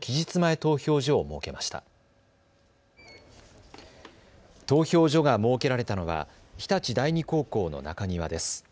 投票所が設けられたのは日立第二高校の中庭です。